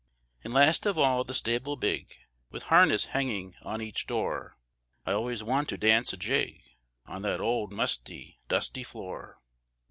An' last of all the stable big, With harness hanging on each door, I always want to dance a jig On that old musty, dusty floor.